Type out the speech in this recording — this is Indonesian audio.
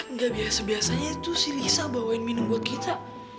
nggak biasa biasanya itu si risa bawain minum buat kita